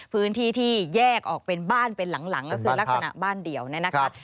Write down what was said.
พื้นที่ที่แยกออกเป็นบ้านเป็นหลังก็คือลักษณะบ้านเดียวเนี่ยนะคะ